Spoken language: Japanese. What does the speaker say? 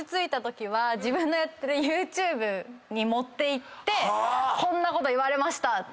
自分のやってるＹｏｕＴｕｂｅに持っていってこんなこと言われましたって。